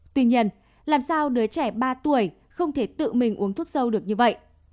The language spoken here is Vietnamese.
tuy nhiên làm sao đứa trẻ ba tuổi không thể tự mình uống thuốc sâu được như vậy